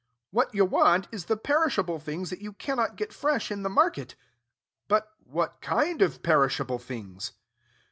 "What you want is the perishable things that you cannot get fresh in the market." "But what kind of perishable things?"